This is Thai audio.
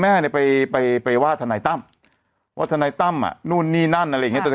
แม่ไปว่าทนายตั้มว่าทนายตั้มนู่นนี่นั่นอะไรอย่างเงี้ย